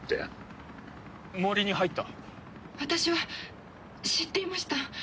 私は知っていました。